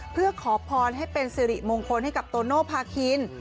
เพื่อขอพรให้เป็นสิริมงคลให้กับโตโนภาคิน